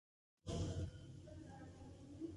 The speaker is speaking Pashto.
په پانګوالي نظام کې مزد د لازم کار په مقابل کې وي